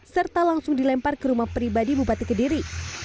serta langsung dilempar ke rumah pribadi bupati kediri